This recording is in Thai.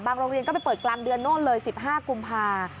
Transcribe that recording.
โรงเรียนก็ไปเปิดกลางเดือนโน่นเลย๑๕กุมภา